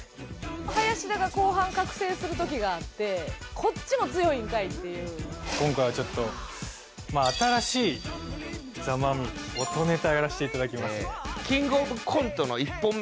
林田が後半覚醒する時があってこっちも強いんかいっていう今回はちょっと音ネタやらしていただきます